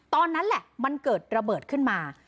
ตอนนั้นแหละมันเกิดระเบิดขึ้นมา